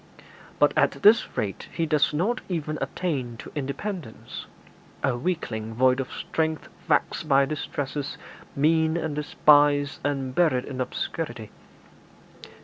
But at this rate he does not even attain to independence a weakling void of strength, vexed by distresses, mean and despised, and buried in obscurity.